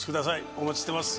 お待ちしてます。